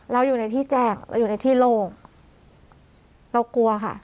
เราอยู่ในที่แจ้งเราอยู่ในที่โล่งเรากลัวค่ะ